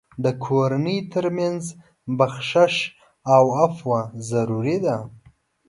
د کورنۍ تر منځ بخشش او عفو ضروري دي.